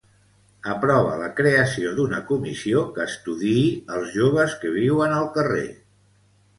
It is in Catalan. Aprova la creació d'una comissió que estudiï els joves que viuen al carrer.